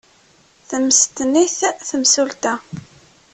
Temmesten-it temsulta.